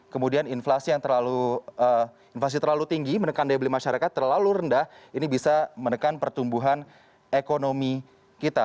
kemudian inflasi yang inflasi terlalu tinggi menekan daya beli masyarakat terlalu rendah ini bisa menekan pertumbuhan ekonomi kita